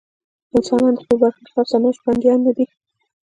انسانان د خپل برخلیک او سرنوشت بندیان نه دي.